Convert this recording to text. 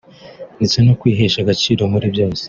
ndetse no kwihesha agaciro muri byose